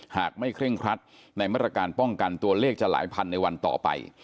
หากไม่เคร่งครัดในมาตรการป้องกันตัวเลขจะหลายพันในวันต่อไป